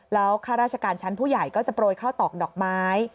แล้วข้าราชการชั้นผู้ใหญ่ก็จะโปรยข้าวตอกดอกไม้